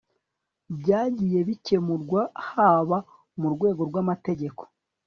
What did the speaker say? byagiye bikemurwa, haba mu rwego rw'amategeko